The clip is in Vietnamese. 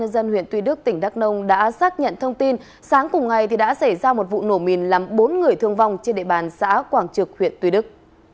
dân huyện tuy đức tỉnh đắk nông đã xác nhận thông tin sáng cùng ngày đã xảy ra một vụ nổ mìn làm bốn người thương vong trên địa bàn xã quảng trực huyện tuy đức